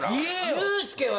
ユースケは？